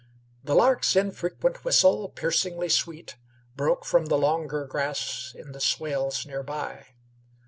The lark's infrequent whistle, piercingly sweet, broke from the longer grass in the swales nearby.